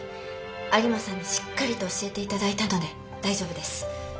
有馬さんにしっかりと教えて頂いたので大丈夫です。